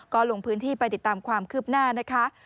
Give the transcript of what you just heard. ก็ลงพื้นที่ไปติดตามความคืบหน้านะคะ